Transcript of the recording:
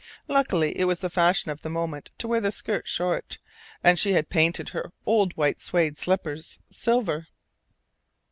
Luckily it was the fashion of the moment to wear the skirt short, and she had painted her old white suede slippers silver.